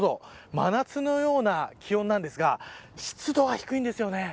真夏のような気温なんですが湿度は低いんですよね。